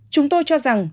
chúng tôi cho rằng